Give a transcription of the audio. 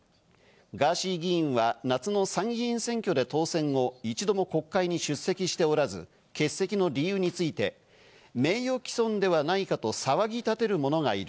ガーシー議員は夏の参議院選挙で当選後、一度も国会に出席しておらず、欠席の理由について、名誉毀損ではないかと騒ぎ立てるものがいる。